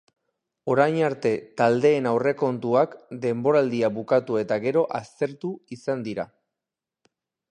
Orain arte taldeen aurrekontuak denboraldia bukatu eta gero aztertu izan dira.